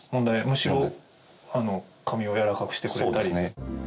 むしろ髪をやわらかくしてくれたり。